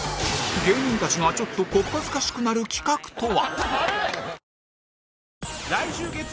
芸人たちがちょっと小っ恥ずかしくなる企画とは？